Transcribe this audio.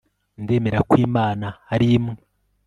ndemera kw'imana ari imwe